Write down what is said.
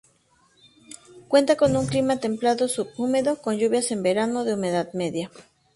Cuenta con un clima templado subhúmedo con lluvias en verano, de humedad media.